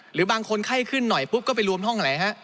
หรือบางคนไข้ขึ้นหน่อยปุ๊บก็ไปรวมห้องอะไรฮะ